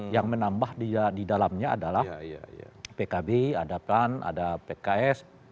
yang menambah di dalamnya adalah pkb ada pan ada pks